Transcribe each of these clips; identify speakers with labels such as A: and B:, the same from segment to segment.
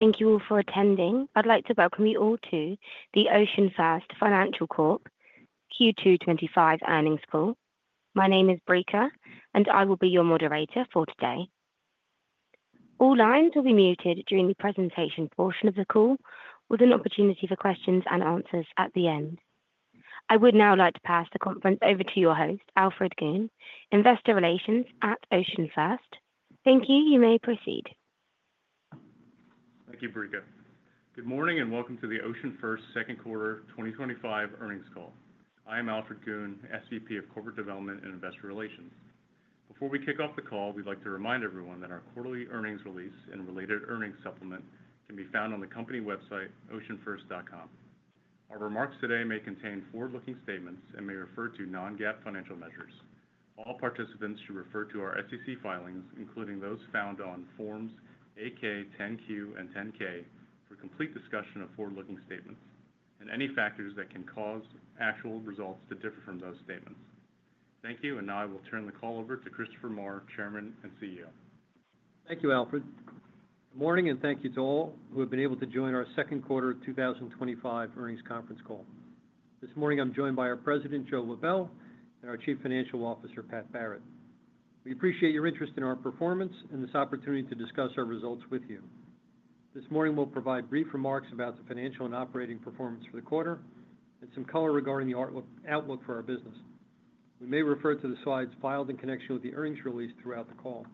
A: Thank you all for attending. I'd like to welcome you all to the OceanFirst Financial Corp Q2 2025 Earnings Call. My name is Breca, and I will be your moderator for today. All lines will be muted during the presentation portion of the call, with an opportunity for questions and answers at the end. I would now like to pass the conference over to your host, Alfred Goon, Senior Vice President of Corporate Development and Investor Relations at OceanFirst Financial Corp. Thank you. You may proceed.
B: Thank you, Breca. Good morning and welcome to the OceanFirst Financial Corp second quarter 2025 earnings call. I am Alfred Goon, SVP of Corporate Development and Investor Relations. Before we kick off the call, we'd like to remind everyone that our quarterly earnings release and related earnings supplement can be found on the company website, oceanfirst.com. Our remarks today may contain forward-looking statements and may refer to non-GAAP financial measures. All participants should refer to our SEC filings, including those found on Forms 8-K, 10-Q, and 10-K, for complete discussion of forward-looking statements and any factors that can cause actual results to differ from those statements. Thank you, and now I will turn the call over to Christopher Maher, Chairman and CEO.
C: Thank you, Alfred. Good morning, and thank you to all who have been able to join our second quarter 2025 earnings conference call. This morning, I'm joined by our President, Joe Lebel, and our Chief Financial Officer, Pat Barrett. We appreciate your interest in our performance and this opportunity to discuss our results with you. This morning, we'll provide brief remarks about the financial and operating performance for the quarter and some color regarding the outlook for our business. We may refer to the slides filed in connection with the earnings release throughout the call.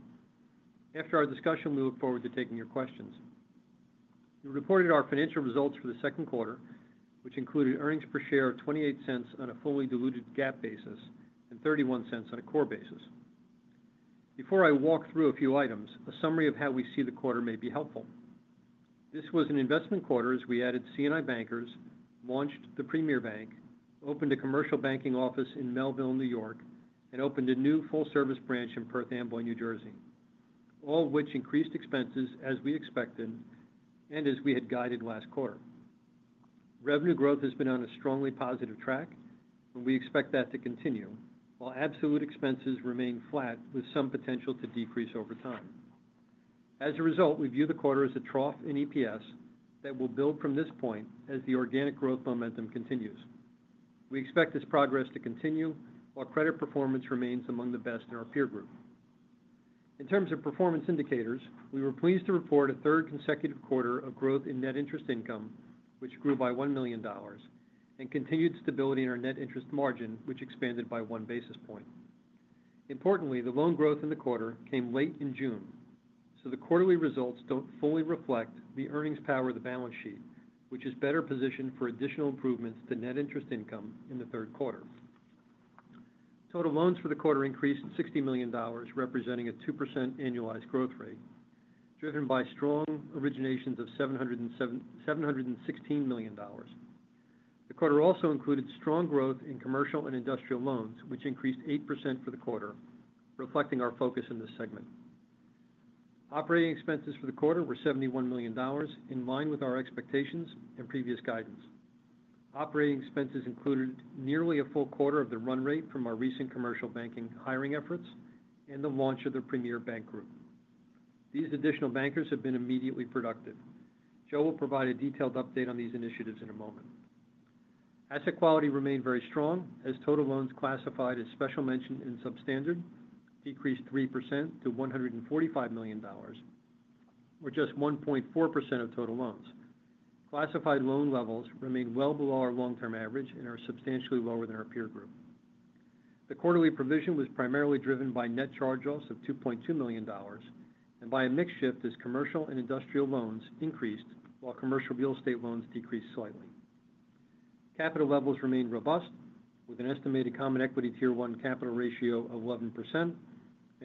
C: After our discussion, we look forward to taking your questions. We reported our financial results for the second quarter, which included earnings per share of $0.28 on a fully diluted GAAP basis and $0.31 on a core basis. Before I walk through a few items, a summary of how we see the quarter may be helpful. This was an investment quarter as we added C&I bankers, launched the Premier Bank, opened a commercial banking office in Melville, New York, and opened a new full-service branch in Perth Amboy, New Jersey, all of which increased expenses as we expected and as we had guided last quarter. Revenue growth has been on a strongly positive track, and we expect that to continue, while absolute expenses remain flat with some potential to decrease over time. As a result, we view the quarter as a trough in EPS that will build from this point as the organic growth momentum continues. We expect this progress to continue while credit performance remains among the best in our peer group. In terms of performance indicators, we were pleased to report a third consecutive quarter of growth in net interest income, which grew by $1 million, and continued stability in our net interest margin, which expanded by one basis point. Importantly, the loan growth in the quarter came late in June, so the quarterly results don't fully reflect the earnings power of the balance sheet, which is better positioned for additional improvements to net interest income in the third quarter. Total loans for the quarter increased $60 million, representing a 2% annualized growth rate, driven by strong originations of $716 million. The quarter also included strong growth in commercial and industrial loans, which increased 8% for the quarter, reflecting our focus in this segment. Operating expenses for the quarter were $71 million, in line with our expectations and previous guidance. Operating expenses included nearly a full quarter of the run rate from our recent commercial banking hiring efforts and the launch of the Premier Bank Group. These additional bankers have been immediately productive. Joe will provide a detailed update on these initiatives in a moment. Asset quality remained very strong as total loans classified as special mention and substandard decreased 3% to $145 million, or just 1.4% of total loans. Classified loan levels remained well below our long-term average and are substantially lower than our peer group. The quarterly provision was primarily driven by net charge-offs of $2.2 million and by a mix shift as commercial and industrial loans increased while commercial real estate loans decreased slightly. Capital levels remained robust, with an estimated common equity tier one capital ratio of 11% and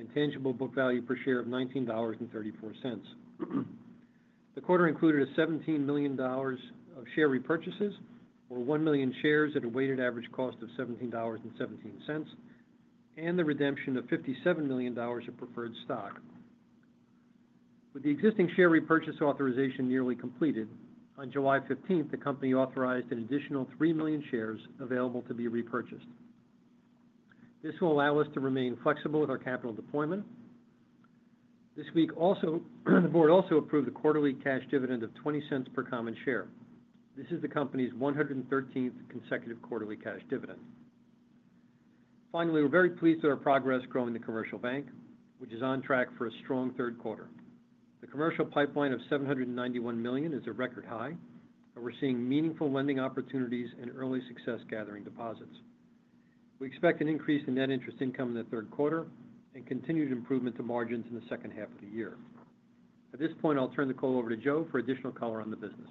C: a tangible book value per share of $19.34. The quarter included $17 million of share repurchases, or 1 million shares at a weighted average cost of $17.17, and the redemption of $57 million of preferred stock. With the existing share repurchase authorization nearly completed, on July 15th, the company authorized an additional 3 million shares available to be repurchased. This will allow us to remain flexible with our capital deployment. This week, the board also approved the quarterly cash dividend of $0.20 per common share. This is the company's 113th consecutive quarterly cash dividend. Finally, we're very pleased with our progress growing the commercial bank, which is on track for a strong third quarter. The commercial pipeline of $791 million is a record high, and we're seeing meaningful lending opportunities and early success gathering deposits. We expect an increase in net interest income in the third quarter and continued improvement to margins in the second half of the year. At this point, I'll turn the call over to Joe for additional color on the business.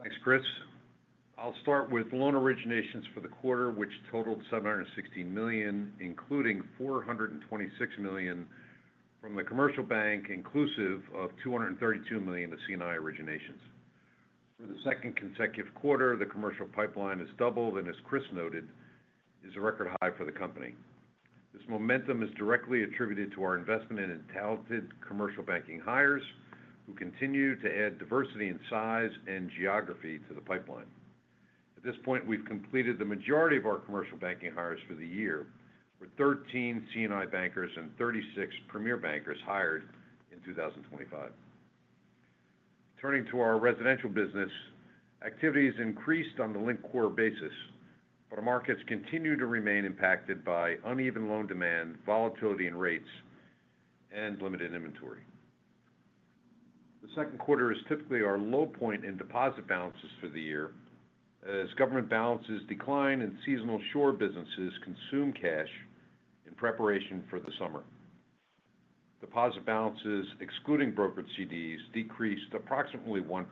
D: Thanks, Chris. I'll start with loan originations for the quarter, which totaled $716 million, including $426 million from the commercial bank, inclusive of $232 million of C&I originations. For the second consecutive quarter, the commercial pipeline has doubled, and as Chris noted, is a record high for the company. This momentum is directly attributed to our investment in talented commercial banking hires, who continue to add diversity in size and geography to the pipeline. At this point, we've completed the majority of our commercial banking hires for the year, with 13 C&I Bankers and 36 Premier Bankers hired in 2025. Turning to our residential business, activities increased on the linked quarter basis, but our markets continue to remain impacted by uneven loan demand, volatility in rates, and limited inventory. The second quarter is typically our low point in deposit balances for the year, as government balances decline and seasonal shore businesses consume cash in preparation for the summer. Deposit balances, excluding brokered CDs, decreased approximately 1%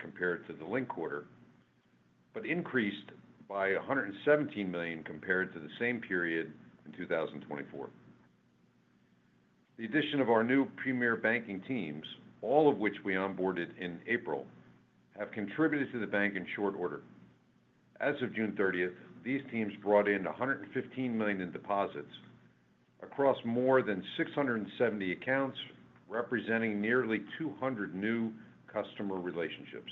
D: compared to the linked quarter, but increased by $117 million compared to the same period in 2024. The addition of our new Premier Banking teams, all of which we onboarded in April, have contributed to the bank in short order. As of June 30th, these teams brought in $115 million in deposits across more than 670 accounts, representing nearly 200 new customer relationships.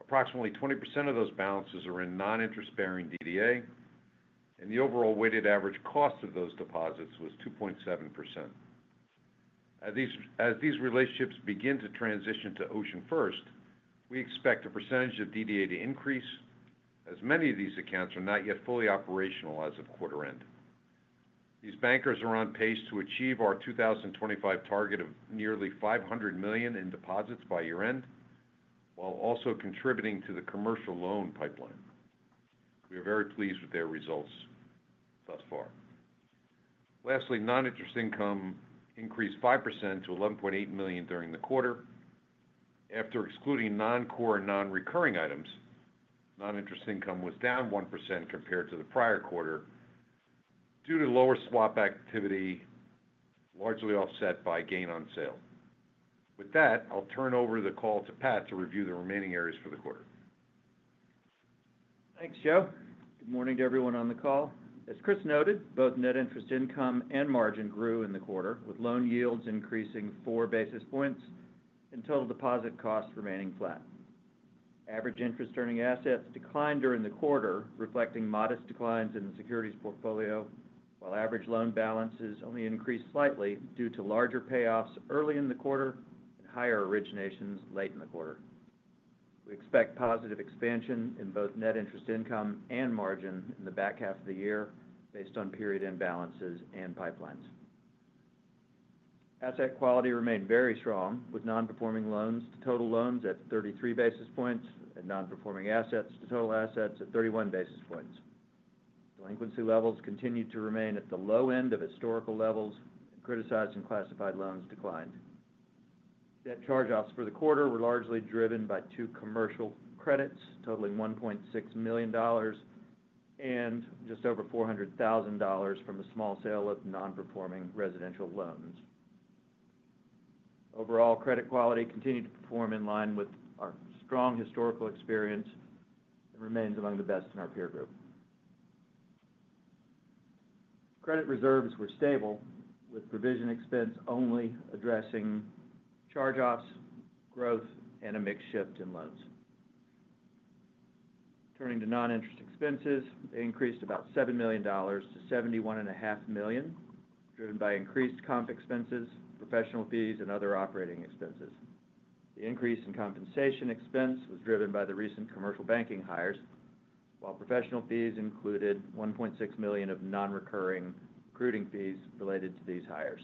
D: Approximately 20% of those balances are in non-interest-bearing DDA, and the overall weighted average cost of those deposits was 2.7%. As these relationships begin to transition to OceanFirst, we expect a percentage of DDA to increase, as many of these accounts are not yet fully operational as of quarter-end. These bankers are on pace to achieve our 2025 target of nearly $500 million in deposits by year-end, while also contributing to the commercial loan pipeline. We are very pleased with their results thus far. Lastly, non-interest income increased 5% to $11.8 million during the quarter. After excluding non-core and non-recurring items, non-interest income was down 1% compared to the prior quarter due to lower swap activity, largely offset by gain on sale. With that, I'll turn over the call to Pat to review the remaining areas for the quarter.
E: Thanks, Joe. Good morning to everyone on the call. As Chris noted, both net interest income and margin grew in the quarter, with loan yields increasing four basis points and total deposit costs remaining flat. Average interest earning assets declined during the quarter, reflecting modest declines in the securities portfolio, while average loan balances only increased slightly due to larger payoffs early in the quarter and higher originations late in the quarter. We expect positive expansion in both net interest income and margin in the back half of the year based on period end balances and pipelines. Asset quality remained very strong, with non-performing loans to total loans at 33 basis points and non-performing assets to total assets at 31 basis points. Delinquency levels continued to remain at the low end of historical levels, and classified loans declined. Net charge-offs for the quarter were largely driven by two commercial credits totaling $1.6 million and just over $400,000 from a small sale of non-performing residential loans. Overall, credit quality continued to perform in line with our strong historical experience and remains among the best in our peer group. Credit reserves were stable, with provision expense only addressing charge-offs, growth, and a mix shift in loans. Turning to non-interest expenses, they increased about $7 million-$71.5 million, driven by increased comp expenses, professional fees, and other operating expenses. The increase in compensation expense was driven by the recent commercial banking hires, while professional fees included $1.6 million of non-recurring recruiting fees related to these hires.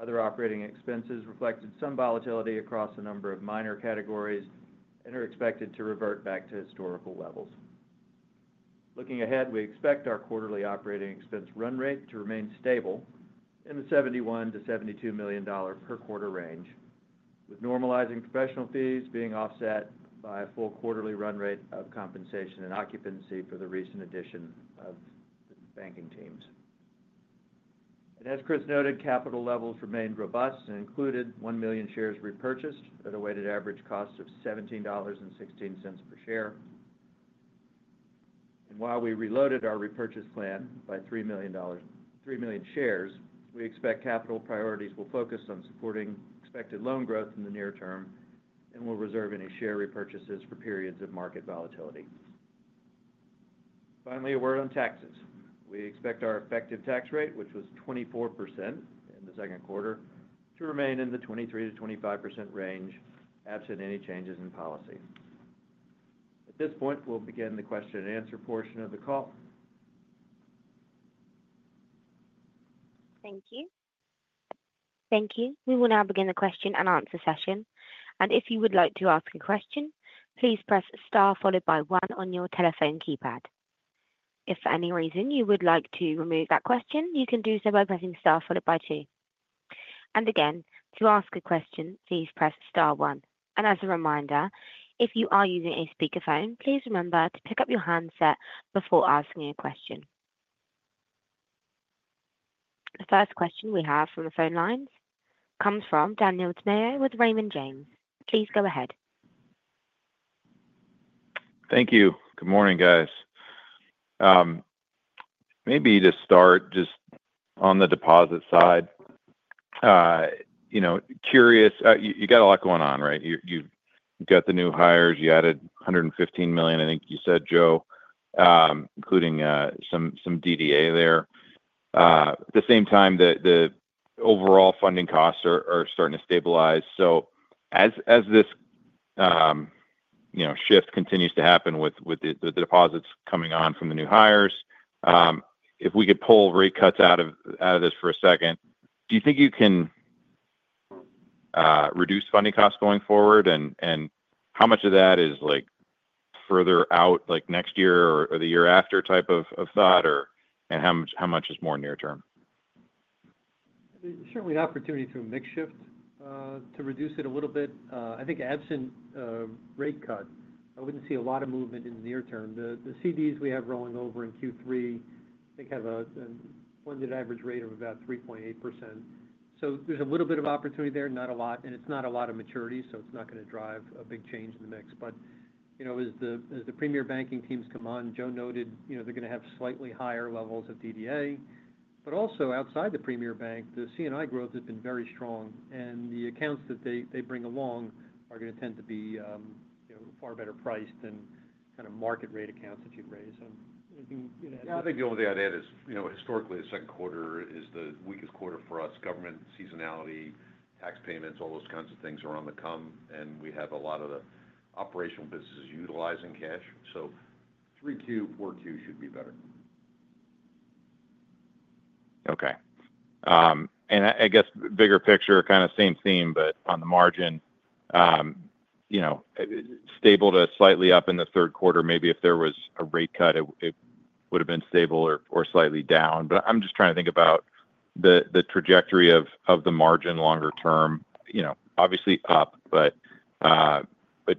E: Other operating expenses reflected some volatility across a number of minor categories and are expected to revert back to historical levels. Looking ahead, we expect our quarterly operating expense run rate to remain stable in the $71-$72 million per quarter range, with normalizing professional fees being offset by a full quarterly run rate of compensation and occupancy for the recent addition of the banking teams. As Chris noted, capital levels remained robust and included 1 million shares repurchased at a weighted average cost of $17.16 per share. While we reloaded our repurchase plan by $3 million shares, we expect capital priorities will focus on supporting expected loan growth in the near term and will reserve any share repurchases for periods of market volatility. Finally, a word on taxes. We expect our effective tax rate, which was 24% in the second quarter, to remain in the 23%-25% range absent any changes in policy. At this point, we'll begin the question-and-answer portion of the call.
A: Thank you. Thank you. We will now begin the question and answer session. If you would like to ask a question, please press star followed by one on your telephone keypad. If for any reason you would like to remove that question, you can do so by pressing star followed by two. To ask a question, please press star one. As a reminder, if you are using a speakerphone, please remember to pick up your handset before asking a question. The first question we have from the phone lines comes from Daniel Tamayo with Raymond James. Please go ahead.
F: Thank you. Good morning, guys. Maybe to start, just on the deposit side, you know, curious, you got a lot going on, right? You've got the new hires. You added $115 million, I think you said, Joe, including some DDA there. At the same time, the overall funding costs are starting to stabilize. As this shift continues to happen with the deposits coming on from the new hires, if we could pull rate cuts out of this for a second, do you think you can reduce funding costs going forward? How much of that is like further out, like next year or the year after type of thought? How much is more near term?
C: Certainly, the opportunity through a mix shift to reduce it a little bit. I think absent rate cut, I wouldn't see a lot of movement in the near term. The CDs we have rolling over in Q3, I think, have a blended average rate of about 3.8%. There's a little bit of opportunity there, not a lot, and it's not a lot of maturity, so it's not going to drive a big change in the mix. As the Premier Bankers teams come on, Joe noted, they're going to have slightly higher levels of DDA. Also, outside the Premier Bank Group, the C&I growth has been very strong, and the accounts that they bring along are going to tend to be far better priced than kind of market rate accounts that you'd raise. Anything you'd add?
D: Yeah, I think the only thing I'd add is, you know, historically, the second quarter is the weakest quarter for us. Government seasonality, tax payments, all those kinds of things are on the come, and we have a lot of the operational businesses utilizing cash. 3Q, 4Q should be better.
F: Okay. I guess bigger picture, kind of same theme, but on the margin, you know, stable to slightly up in the third quarter. Maybe if there was a rate cut, it would have been stable or slightly down. I'm just trying to think about the trajectory of the margin longer term. You know, obviously up, but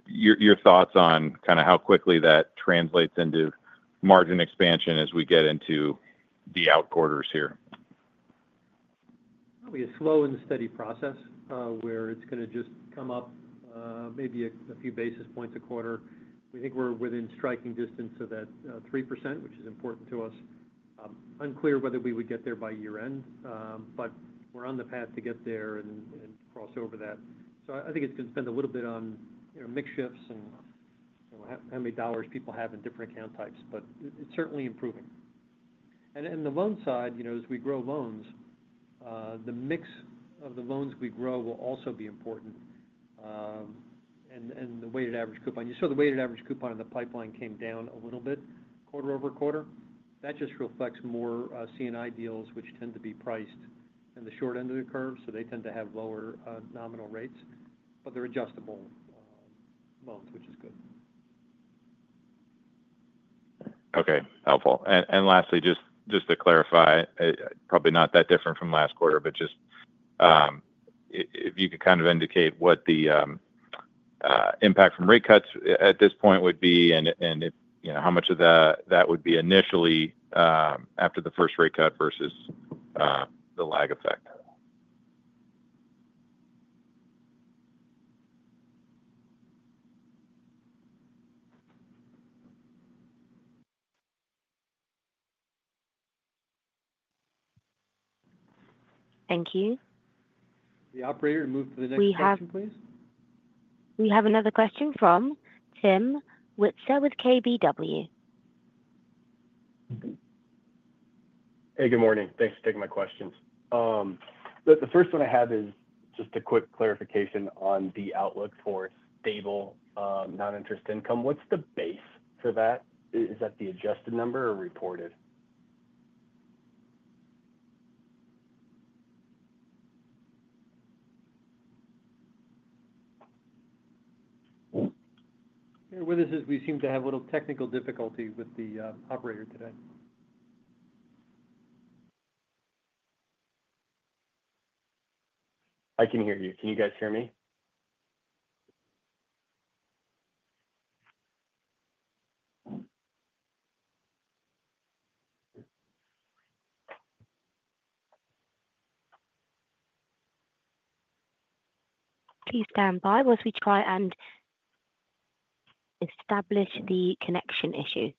F: your thoughts on kind of how quickly that translates into margin expansion as we get into the out quarters here?
C: It'll be a slow and steady process where it's going to just come up maybe a few basis points a quarter. We think we're within striking distance of that 3%, which is important to us. It's unclear whether we would get there by year-end, but we're on the path to get there and cross over that. I think it's going to depend a little bit on mix shifts and how many dollars people have in different account types, but it's certainly improving. On the loan side, you know, as we grow loans, the mix of the loans we grow will also be important. The weighted average coupon, you saw the weighted average coupon in the pipeline came down a little bit quarter-over-quarter. That just reflects more C&I deals, which tend to be priced in the short end of the curve, so they tend to have lower nominal rates, but they're adjustable loans, which is good.
F: Okay, helpful. Lastly, just to clarify, probably not that different from last quarter, but just if you could kind of indicate what the impact from rate cuts at this point would be and how much of that would be initially after the first rate cut versus the lag effect.
A: Thank you.
C: Operator, please move to the next question.
A: We have another question from Tim Switzer with KBW.
G: Hey, good morning. Thanks for taking my questions. The first one I have is just a quick clarification on the outlook for stable non-interest income. What's the base for that? Is that the adjusted number or reported?
C: Here with us is we seem to have a little technical difficulty with the operator today.
G: I can hear you. Can you guys hear me?
A: Please standby will switch right. Try and establish the connection issue.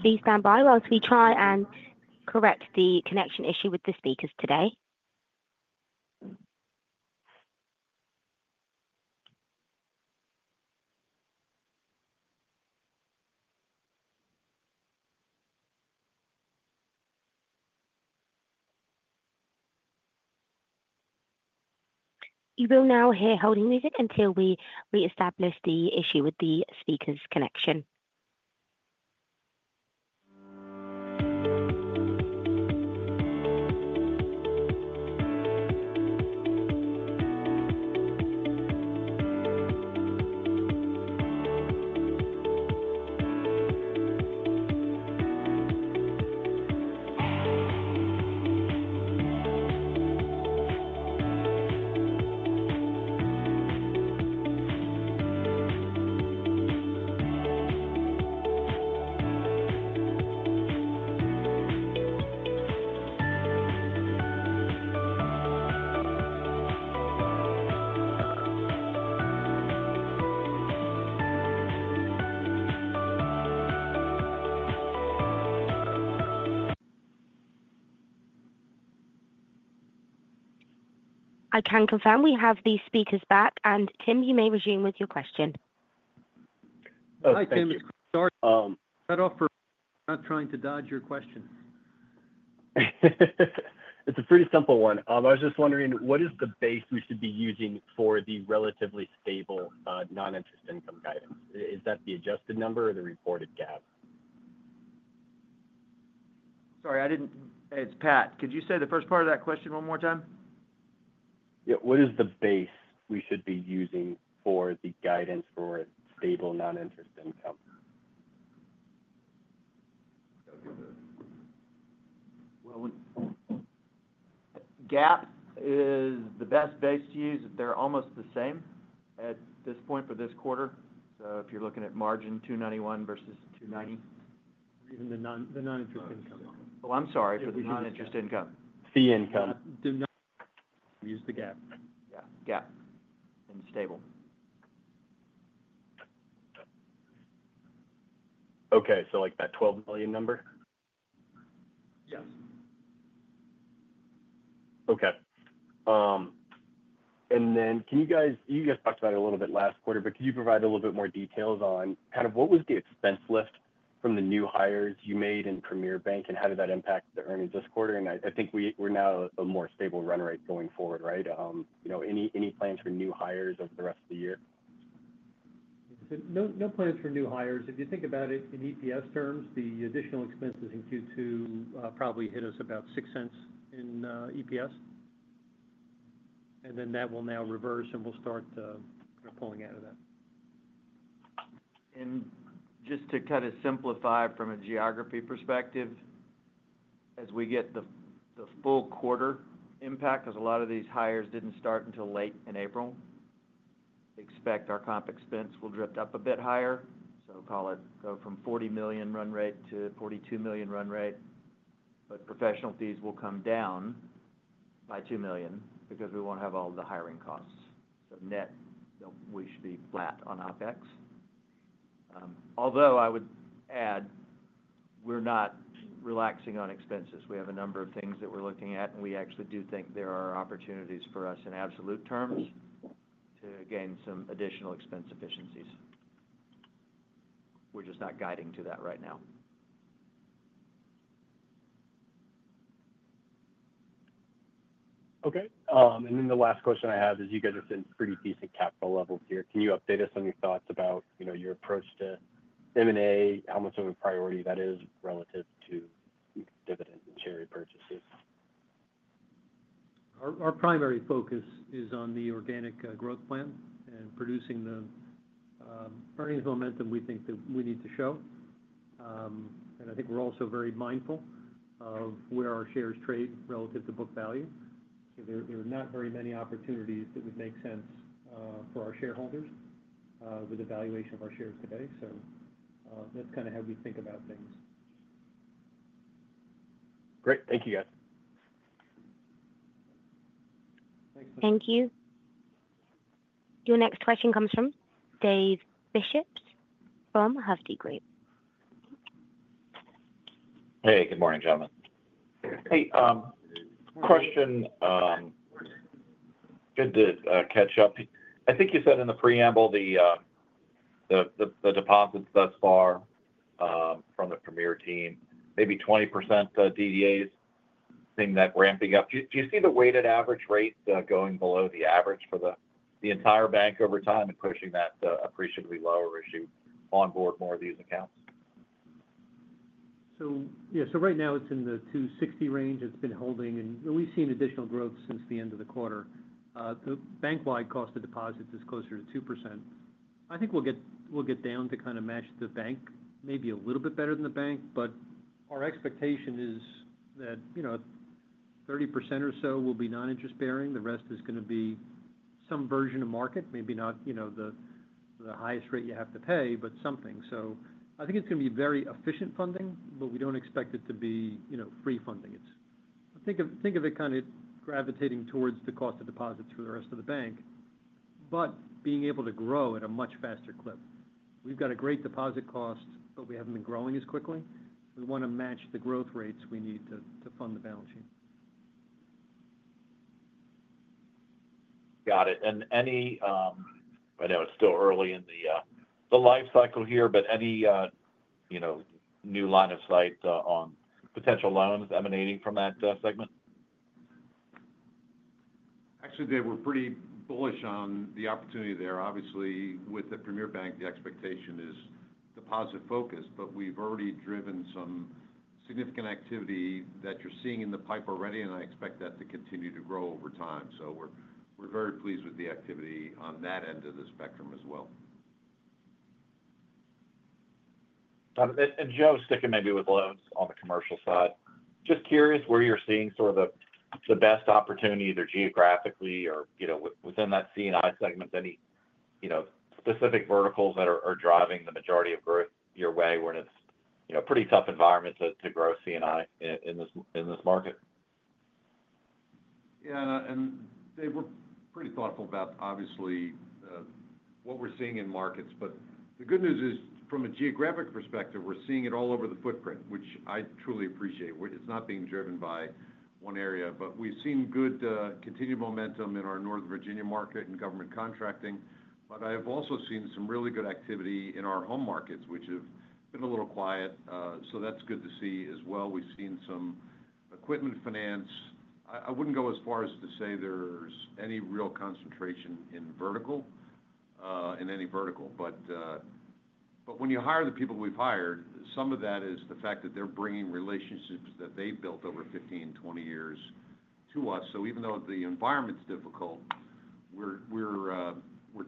A: Please stand by while we try and correct the connection issue with the speakers today. You will now hear holding music until we reestablish the issue with the speakers' connection. I can confirm we have the speakers back, and Tim, you may resume with your question.
C: Hi, Tim. It's Chris. I'm not trying to dodge your question.
G: It's a pretty simple one. I was just wondering, what is the base we should be using for the relatively stable non-interest income guidance? Is that the adjusted number or the reported GAAP?
E: Sorry, I didn't. It's Pat. Could you say the first part of that question one more time?
G: Yeah, what is the base we should be using for the guidance for stable non-interest income?
E: GAAP is the best base to use. They're almost the same at this point for this quarter. If you're looking at margin 291 versus 290, or even the non-interest income. Oh, I'm sorry, for the non-interest income. Fee income.
C: Do not use the GAAP. Yeah, GAAP and stable.
G: Okay, like that $12 million number?
E: Yes.
G: Okay. Can you guys, you guys talked about it a little bit last quarter, provide a little bit more details on kind of what was the expense lift from the new hires you made in Premier Bank and how did that impact the earnings this quarter? I think we're now a more stable run rate going forward, right? You know, any plans for new hires over the rest of the year?
E: No plans for new hires. If you think about it in EPS terms, the additional expenses in Q2 probably hit us about $0.06 in EPS. That will now reverse and we'll start kind of pulling out of that. To simplify from a geography perspective, as we get the full quarter impact, because a lot of these hires didn't start until late in April, we expect our comp expense will drift up a bit higher. Call it go from $40 million run rate-$42 million run rate. Professional fees will come down by $2 million because we won't have all of the hiring costs. Net, we should be flat on OpEx. Although I would add, we're not relaxing on expenses. We have a number of things that we're looking at, and we actually do think there are opportunities for us in absolute terms to gain some additional expense efficiencies. We're just not guiding to that right now.
G: The last question I have is you guys are seeing pretty decent capital levels here. Can you update us on your thoughts about your approach to M&A, how much of a priority that is relative to dividends and share repurchases?
E: Our primary focus is on the organic growth plan and producing the earnings momentum we think that we need to show. We are also very mindful of where our shares trade relative to book value. There are not very many opportunities that would make sense for our shareholders with the valuation of our shares today. That is kind of how we think about things.
G: Great. Thank you, guys.
A: Thank you. Your next question comes from Dave Bishop from Hovde Group.
H: Hey, good morning, gentlemen. Hey, question. Good to catch up. I think you said in the preamble, the deposits thus far from the Premier team, maybe 20% DDAs, seeing that ramping up. Do you see the weighted average rates going below the average for the entire bank over time and pushing that appreciably lower as you onboard more of these accounts?
E: Right now it's in the 260 range. It's been holding, and we've seen additional growth since the end of the quarter. The bank-wide cost of deposit is closer to 2%. I think we'll get down to kind of match the bank, maybe a little bit better than the bank, but our expectation is that 30% or so will be non-interest bearing. The rest is going to be some version of market, maybe not the highest rate you have to pay, but something. I think it's going to be very efficient funding, but we don't expect it to be free funding. I think of it kind of gravitating towards the cost of deposits for the rest of the bank, but being able to grow at a much faster clip. We've got a great deposit cost, but we haven't been growing as quickly. We want to match the growth rates we need to fund the balance sheet.
H: Got it. I know it's still early in the lifecycle here, but any new line of sight on potential loans emanating from that segment?
D: Actually, they were pretty bullish on the opportunity there. Obviously, with the Premier Bank, the expectation is deposit focus, but we've already driven some significant activity that you're seeing in the pipeline already, and I expect that to continue to grow over time. We're very pleased with the activity on that end of the spectrum as well.
H: Joe, sticking maybe with loans on the commercial side, just curious where you're seeing sort of the best opportunity, either geographically or within that C&I segment, any specific verticals that are driving the majority of growth your way when it's a pretty tough environment to grow C&I in this market?
D: Yeah, and they were pretty thoughtful about, obviously, what we're seeing in markets. The good news is, from a geographic perspective, we're seeing it all over the footprint, which I truly appreciate. It's not being driven by one area, but we've seen good continued momentum in our northern Virginia market and government contracting. I've also seen some really good activity in our home markets, which have been a little quiet. That's good to see as well. We've seen some equipment finance. I wouldn't go as far as to say there's any real concentration in any vertical. When you hire the people we've hired, some of that is the fact that they're bringing relationships that they've built over 15, 20 years to us. Even though the environment's difficult, we're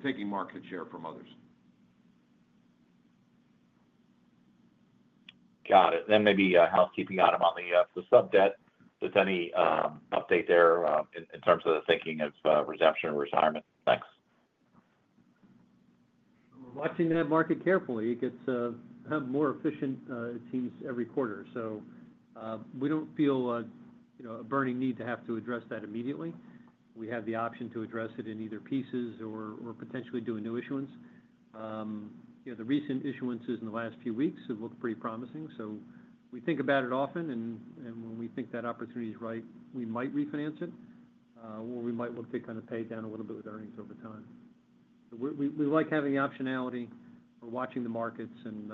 D: taking market share from others.
H: Got it. Maybe a housekeeping item on the sub debt. Is there any update there in terms of the thinking of redemption or retirement? Thanks.
E: We're watching that market carefully. It gets more efficient, it seems, every quarter. We don't feel a burning need to have to address that immediately. We have the option to address it in either pieces or potentially do a new issuance. The recent issuances in the last few weeks have looked pretty promising. We think about it often, and when we think that opportunity is right, we might refinance it, or we might look to kind of pay it down a little bit with earnings over time. We like having the optionality. We're watching the markets and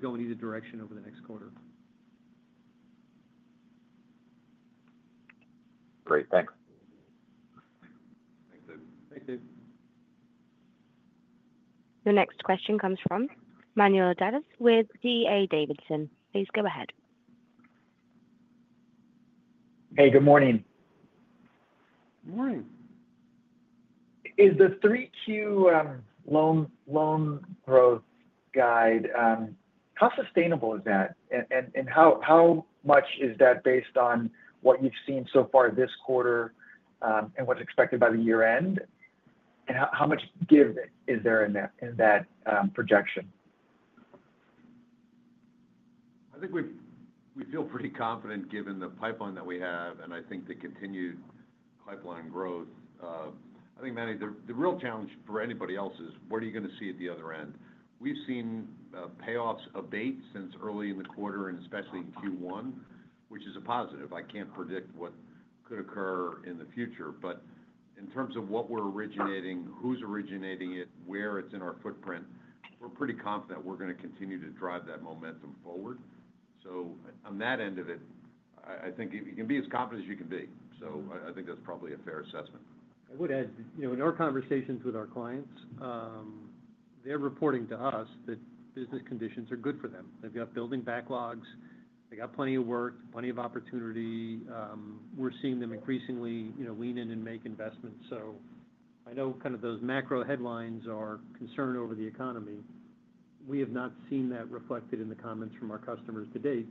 E: going either direction over the next quarter.
H: Great. Thanks.
A: Your next question comes from Manuel Davis with D.A. Davidson. Please go ahead.
I: Hey, good morning.
C: Morning.
I: Is the 3Q loan growth guide, how sustainable is that? How much is that based on what you've seen so far this quarter and what's expected by the year-end? How much give is there in that projection?
D: I think we feel pretty confident given the pipeline that we have, and I think the continued pipeline growth. I think, Manuel, the real challenge for anybody else is what are you going to see at the other end? We've seen payoffs abate since early in the quarter, and especially in Q1, which is a positive. I can't predict what could occur in the future. In terms of what we're originating, who's originating it, where it's in our footprint, we're pretty confident we're going to continue to drive that momentum forward. On that end of it, I think you can be as confident as you can be. I think that's probably a fair assessment.
C: I would add, in our conversations with our clients, they're reporting to us that business conditions are good for them. They've got building backlogs, they've got plenty of work, plenty of opportunity. We're seeing them increasingly lean in and make investments. I know those macro headlines are concern over the economy. We have not seen that reflected in the comments from our customers to date,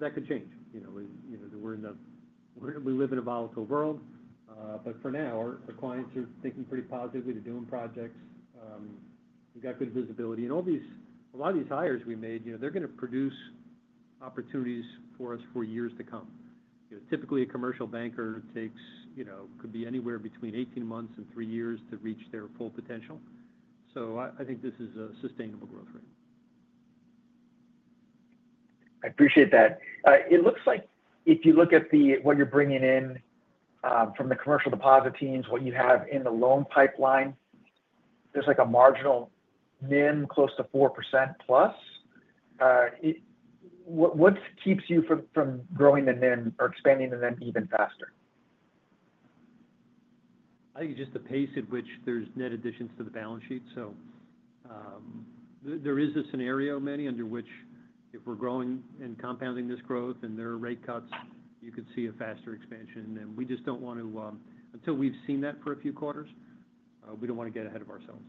C: that could change. We live in a volatile world. For now, our clients are thinking pretty positively to doing projects. We've got good visibility, and a lot of these hires we made are going to produce opportunities for us for years to come. Typically, a commercial banker takes anywhere between 18 months and three years to reach their full potential. I think this is a sustainable growth rate.
I: I appreciate that. It looks like if you look at what you're bringing in from the commercial deposit teams, what you have in the loan pipeline, there's like a marginal NIM close to 4%+. What keeps you from growing the NIM or expanding the NIM even faster?
E: I think it's just the pace at which there's net additions to the balance sheet. There is a scenario, Manuel, under which if we're growing and compounding this growth and there are rate cuts, you could see a faster expansion. We just don't want to, until we've seen that for a few quarters, we don't want to get ahead of ourselves.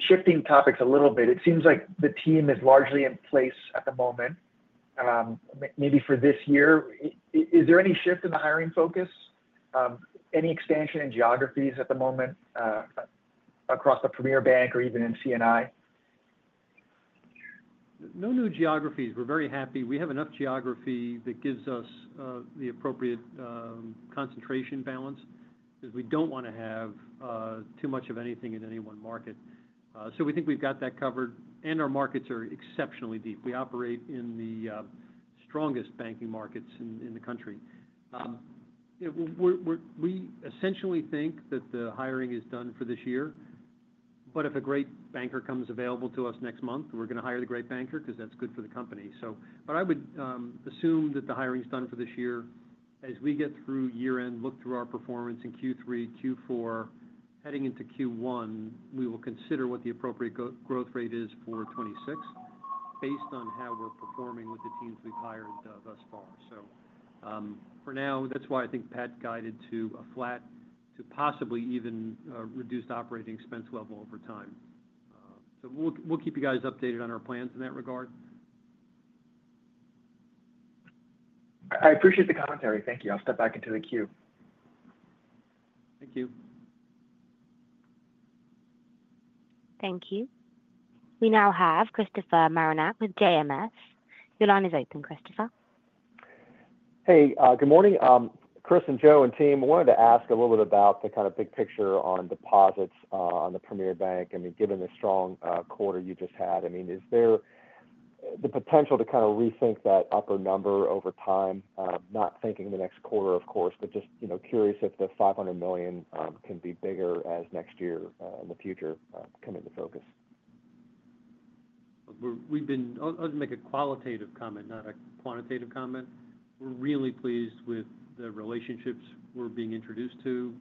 I: Shifting topics a little bit, it seems like the team is largely in place at the moment. Maybe for this year, is there any shift in the hiring focus? Any expansion in geographies at the moment across the Premier Bank or even in C&I?
C: No new geographies. We're very happy. We have enough geography that gives us the appropriate concentration balance because we don't want to have too much of anything in any one market. We think we've got that covered, and our markets are exceptionally deep. We operate in the strongest banking markets in the country. We essentially think that the hiring is done for this year. If a great banker comes available to us next month, we're going to hire the great banker because that's good for the company. I would assume that the hiring is done for this year. As we get through year-end, look through our performance in Q3, Q4, heading into Q1, we will consider what the appropriate growth rate is for 2026 based on how we're performing with the teams we've hired thus far. For now, that's why I think Pat guided to a flat to possibly even reduced operating expense level over time. We'll keep you guys updated on our plans in that regard.
I: I appreciate the commentary. Thank you. I'll step back into the queue.
C: Thank you.
A: Thank you. We now have Christopher Marinac with JMS. Your line is open, Christopher.
J: Hey, good morning. Chris and Joe and team, I wanted to ask a little bit about the kind of big picture on deposits on the Premier Bank. Given the strong quarter you just had, is there the potential to kind of rethink that upper number over time? Not thinking in the next quarter, of course, but just curious if the $500 million can be bigger as next year in the future come into focus.
C: I'll just make a qualitative comment, not a quantitative comment. We're really pleased with the relationships we're being introduced to,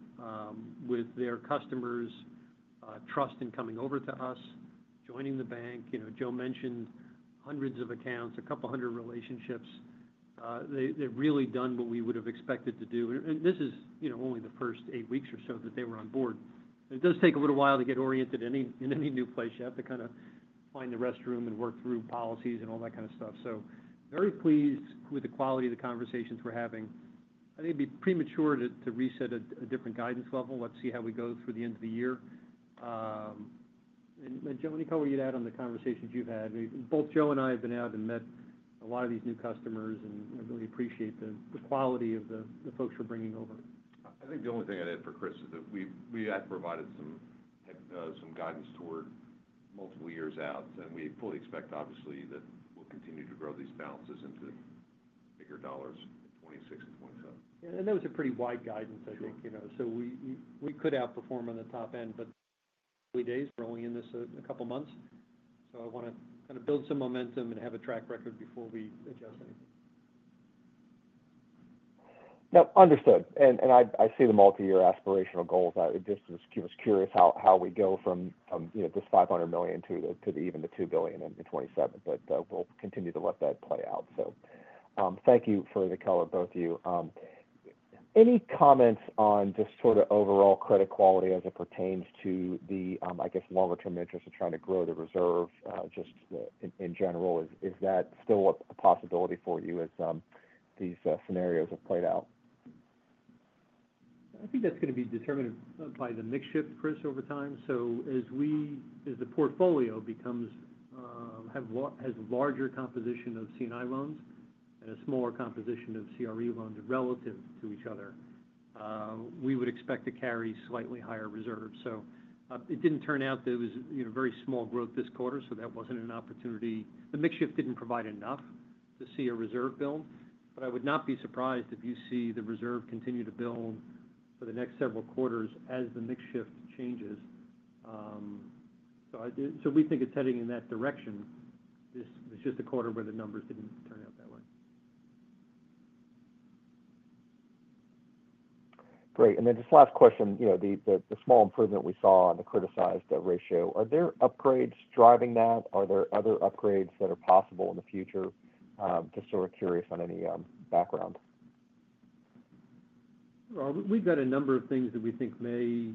C: with their customers' trust in coming over to us, joining the bank. You know, Joe mentioned hundreds of accounts, a couple hundred relationships. They've really done what we would have expected to do. This is only the first eight weeks or so that they were on board. It does take a little while to get oriented in any new place. You have to kind of find the restroom and work through policies and all that kind of stuff. Very pleased with the quality of the conversations we're having. I think it'd be premature to reset a different guidance level. Let's see how we go through the end of the year. Gentlemen, you tell where you're at on the conversations you've had. Both Joe and I have been out and met a lot of these new customers and really appreciate the quality of the folks we're bringing over.
D: I think the only thing I'd add for Chris is that we have provided some guidance toward multiple years out. We fully expect, obviously, that we'll continue to grow these balances into bigger dollars, 2026 and 2027.
C: Yeah, that was a pretty wide guidance, I think. You know, we could out perform on the top end, but it's growing in this in a couple of months. I want to kind of build some momentum and have a track record before we adjust anything.
J: Understood. I see the multi-year aspirational goals. I was curious how we go from this $500 million to even the $2 billion in 2027. We'll continue to let that play out. Thank you for the call, both of you. Any comments on just overall credit quality as it pertains to the longer-term interest of trying to grow the reserve in general? Is that still a possibility for you as these scenarios have played out?
C: I think that's going to be determined by the mix shift, Chris, over time. As the portfolio becomes, has a larger composition of C&I loans and a smaller composition of CRE loans relative to each other, we would expect to carry slightly higher reserves. It didn't turn out that it was a very small growth this quarter, so that wasn't an opportunity. The mix shift didn't provide enough to see a reserve build. I would not be surprised if you see the reserve continue to build for the next several quarters as the mix shift changes. We think it's heading in that direction. This was just a quarter where the numbers didn't turn out that way.
J: Great. One last question. The small improvement we saw on the criticized ratio, are there upgrades driving that? Are there other upgrades that are possible in the future? Just sort of curious on any background.
C: We have a number of things that we think may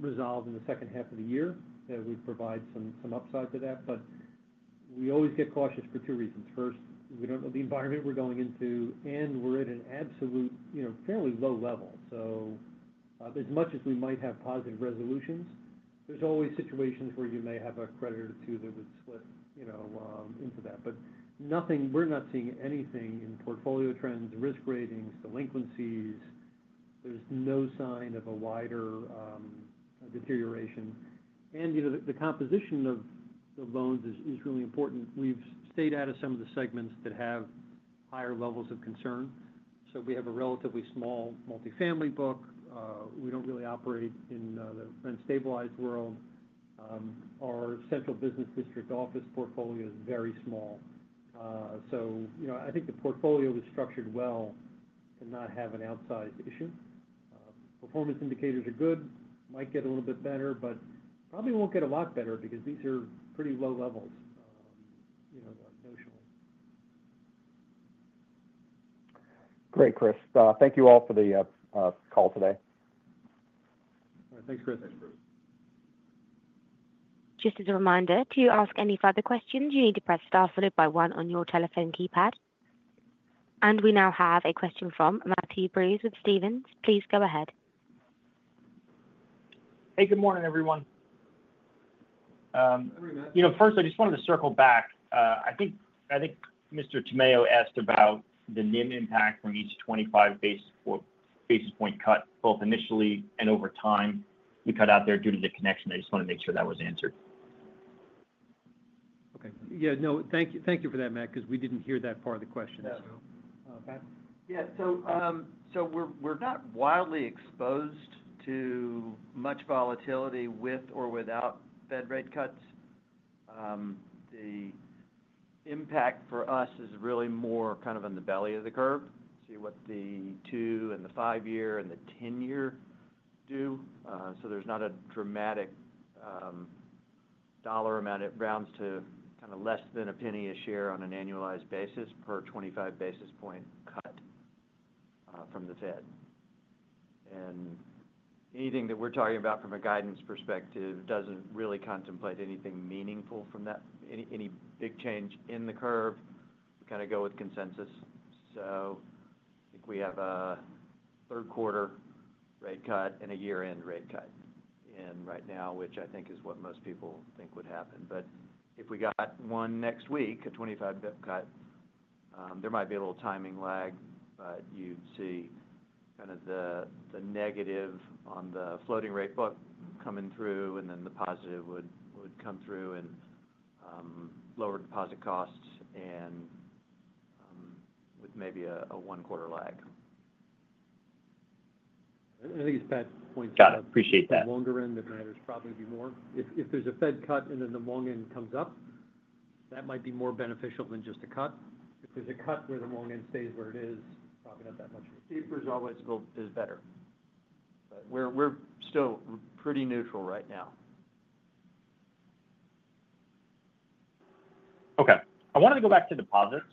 C: resolve in the second half of the year as we provide some upside to that. We always get cautious for two reasons. First, we don't know the environment we're going into, and we're at an absolute, you know, fairly low level. As much as we might have positive resolutions, there's always situations where you may have a creditor or two that would slip, you know, into that. Nothing, we're not seeing anything in portfolio trends, risk ratings, delinquencies. There's no sign of a wider deterioration. The composition of the loans is really important. We've stayed out of some of the segments that have higher levels of concern. We have a relatively small multifamily book. We don't really operate in the rent-stabilized world. Our central business district office portfolio is very small. I think the portfolio was structured well and not have an outsized issue. Performance indicators are good. Might get a little bit better, but probably won't get a lot better because these are pretty low levels.
J: Great, Chris. Thank you all for the call today.
C: Thanks, Christopher.
A: Just as a reminder, to ask any further questions, you need to press star followed by one on your telephone keypad. We now have a question from Matthew Breese with Stephens. Please go ahead.
K: Hey, good morning, everyone. First, I just wanted to circle back. I think Mr. Tamayo asked about the NIM impact from each 25 basis point cut, both initially and over time. We cut out there due to the connection. I just want to make sure that was answered.
E: Okay. Thank you for that, Matt, because we didn't hear that part of the question.
K: Yeah, Pat.
E: Yeah, we're not wildly exposed to much volatility with or without Fed rate cuts. The impact for us is really more kind of in the belly of the curve. See what the two and the five-year and the 10-year do. There's not a dramatic dollar amount. It rounds to less than a penny a share on an annualized basis per 25 basis point cut from the Fed. Anything that we're talking about from a guidance perspective doesn't really contemplate anything meaningful from that, any big change in the curve. We kind of go with consensus. I think we have a third-quarter rate cut and a year-end rate cut in right now, which I think is what most people think would happen. If we got one next week, a 25 basis point cut, there might be a little timing lag, but you'd see the negative on the floating rate book coming through, and then the positive would come through in lower deposit costs with maybe a one-quarter lag.
K: I think as Pat Barrett points out, I appreciate that.
E: Longer end, there might probably be more. If there's a Fed cut and then the long end comes up, that might be more beneficial than just a cut. If there's a cut where the long end stays where it is, probably not that much. Cheaper is always better. We're still pretty neutral right now.
K: Okay. I wanted to go back to deposits.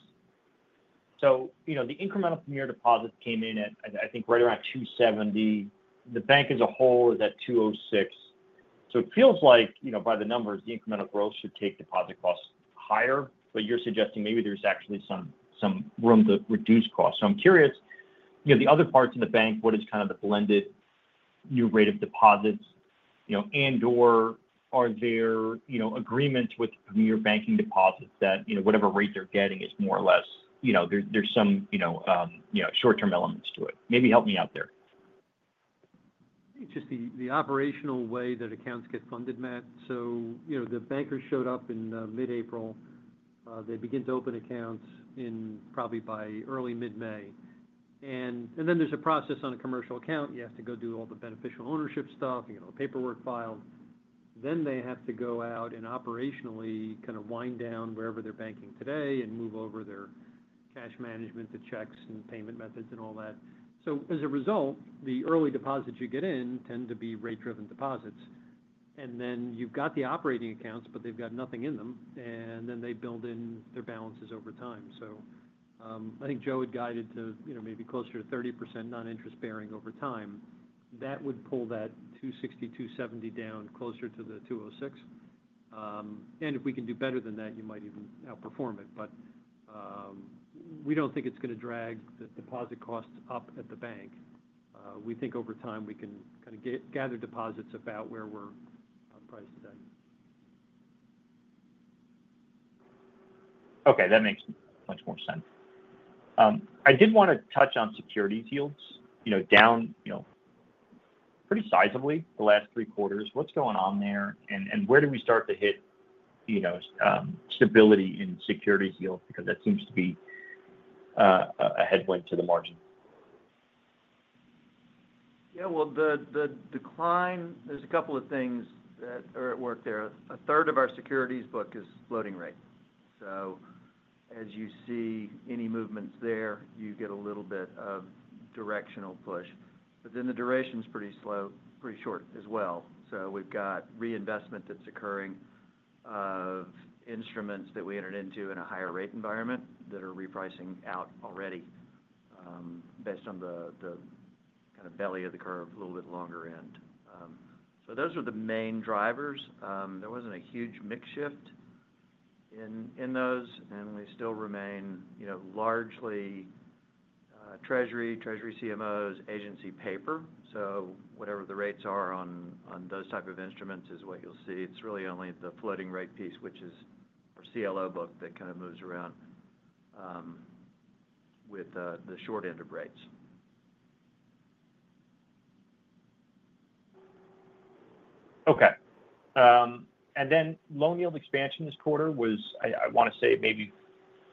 K: The incremental Premier deposits came in at, I think, right around $270 million. The bank as a whole is at $206 million. It feels like, by the numbers, the incremental growth should take deposit costs higher, but you're suggesting maybe there's actually some room to reduce costs. I'm curious, the other parts in the bank, what is kind of the blended new rate of deposits, and/or are there agreements with your banking deposits that, whatever rate they're getting is more or less, there's some short-term elements to it. Maybe help me out there.
C: It's just the operational way that accounts get funded, Matt. The banker showed up in mid-April. They begin to open accounts probably by early or mid-May. There is a process on a commercial account. You have to go do all the beneficial ownership stuff, paperwork filed. They have to go out and operationally kind of wind down wherever they're banking today and move over their cash management to checks and payment methods and all that. As a result, the early deposits you get in tend to be rate-driven deposits. You've got the operating accounts, but they've got nothing in them. They build in their balances over time. I think Joe had guided to maybe closer to 30% non-interest-bearing over time. That would pull that $260, $270 down closer to the $206. If we can do better than that, you might even outperform it. We don't think it's going to drag the deposit costs up at the bank. We think over time we can kind of gather deposits about where we're priced today.
K: Okay, that makes much more sense. I did want to touch on securities yields, you know, down, you know, pretty sizably the last three quarters. What's going on there? Where do we start to hit, you know, stability in securities yields because that seems to be a headwind to the margin?
E: Yeah, the decline, there's a couple of things that are at work there. A third of our securities book is floating rate. As you see any movements there, you get a little bit of directional push. The duration is pretty slow, pretty short as well. We've got reinvestment that's occurring of instruments that we entered into in a higher rate environment that are repricing out already based on the kind of belly of the curve, a little bit longer end. Those are the main drivers. There wasn't a huge mix shift in those, and they still remain, you know, largely Treasury, Treasury CMOs, agency paper. Whatever the rates are on those types of instruments is what you'll see. It's really only the floating rate piece, which is our CLO book, that kind of moves around with the short end of rates.
K: Okay. Loan yield expansion this quarter was, I want to say, maybe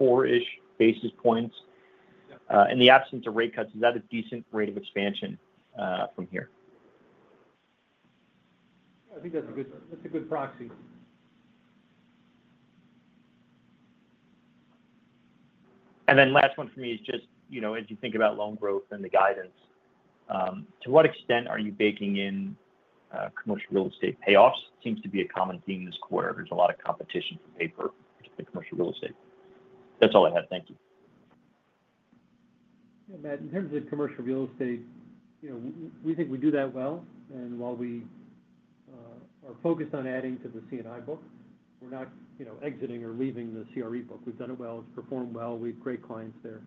K: 4-ish basis points. In the absence of rate cuts, is that a decent rate of expansion from here?
C: I think that's a good proxy.
K: The last one for me is just, you know, as you think about loan growth and the guidance, to what extent are you baking in commercial real estate payoffs? It seems to be a common theme this quarter. There's a lot of competition for paper in commercial real estate. That's all I had. Thank you.
C: Yeah, Matt. In terms of commercial real estate, we think we do that well. While we are focused on adding to the C&I book, we're not exiting or leaving the CRE book. We've done it well. It's performed well. We have great clients there.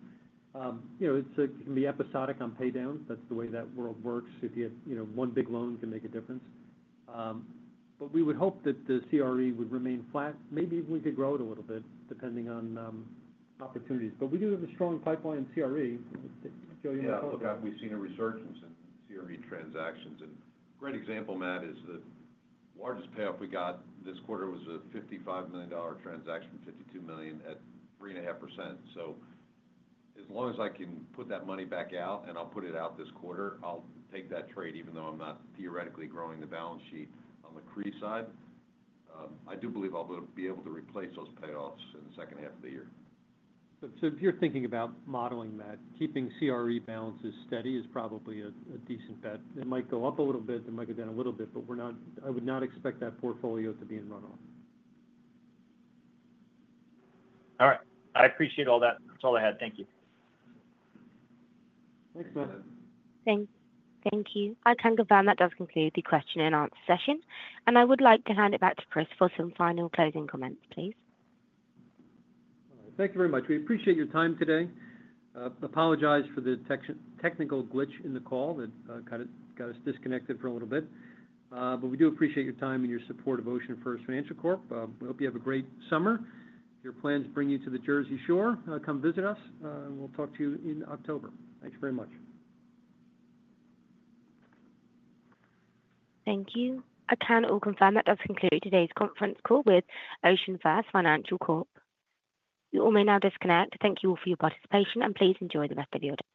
C: It can be episodic on pay down. That's the way that world works. If you had one big loan, it can make a difference. We would hope that the CRE would remain flat. Maybe even we could grow it a little bit depending on opportunities. We do have a strong pipeline in CRE.
D: Yeah, we've seen a resurgence in CRE transactions. A great example, Matt, is the largest payoff we got this quarter was a $55 million transaction, $52 million at 3.5%. As long as I can put that money back out and I'll put it out this quarter, I'll take that trade. Even though I'm not theoretically growing the balance sheet on the CRE side, I do believe I'll be able to replace those payoffs in the second half of the year.
C: If you're thinking about modeling that, keeping CRE balances steady is probably a decent bet. It might go up a little bit, it might go down a little bit, but I would not expect that portfolio to be in runoff.
K: All right. I appreciate all that. That's all I had. Thank you.
C: Thanks, Matthew.
A: Thank you. I can confirm that does conclude the question and answer session. I would like to hand it back to Christopher for some final closing comments, please.
C: Thank you very much. We appreciate your time today. I apologize for the technical glitch in the call that got us disconnected for a little bit. We do appreciate your time and your support of OceanFirst Financial Corp. We hope you have a great summer. If your plans bring you to the Jersey Shore, come visit us, and we'll talk to you in October. Thank you very much.
A: Thank you. I can also confirm that does conclude today's conference call with OceanFirst Financial Corp. You all may now disconnect. Thank you all for your participation, and please enjoy the rest of your day.